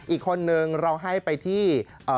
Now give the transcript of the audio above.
อีกคนนึงเราให้ไปที่